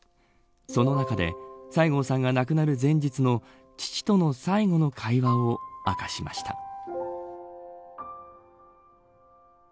その中で西郷さんが亡くなる前日の父との最後の会話を明かしました。